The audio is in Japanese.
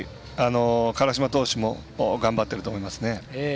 辛島投手も頑張っていると思いますね。